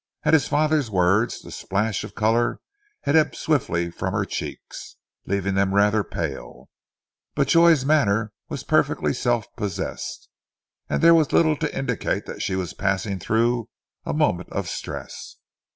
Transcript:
At his father's words the splash of colour had ebbed swiftly from her cheeks leaving them rather pale, but Joy's manner was perfectly self possessed, and there was little to indicate that she was passing through a moment of stress.